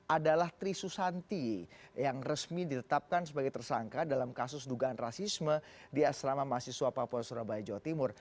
adalah tri susanti yang resmi ditetapkan sebagai tersangka dalam kasus dugaan rasisme di asrama mahasiswa papua surabaya jawa timur